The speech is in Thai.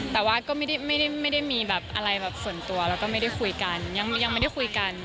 แต่ว่าก็ไม่ได้มีแบบอะไรแบบส่วนตัวแล้วก็ไม่ได้คุยกันยังไม่ได้คุยกัน